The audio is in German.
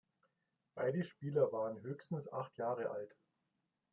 Beide Spieler waren höchstens acht Jahre alt.